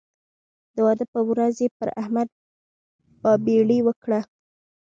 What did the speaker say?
د واده پر ورځ یې پر احمد بابېړۍ وکړ.